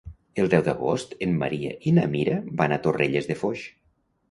El deu d'agost en Maria i na Mira van a Torrelles de Foix.